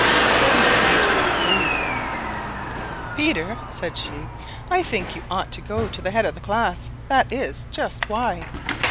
Old Mother Nature looked pleased. "Peter," said she, "I think you ought to go to the head of the class. That is just why.